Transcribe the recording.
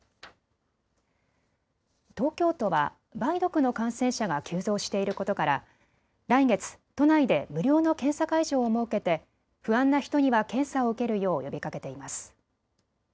東京都は梅毒の感染者が急増していることから来月、都内で無料の検査会場を設けて不安な人には検査を受けるよう呼びかけています。